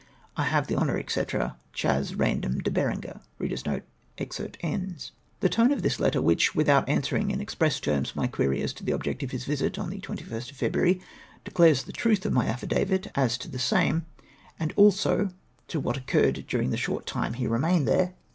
" I have the honour, &c., " Chas. EA^^DOM DE Beeengee." The tone of this letter, which, witliout answering in express terms my query as to the object of his visit on the 21st of February, declares the truth of my affidavit as to the same, and also to what occurred durino the short time he remained there.